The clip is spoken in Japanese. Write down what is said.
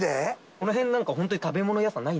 この辺なんかは本当に食べ物屋さんない。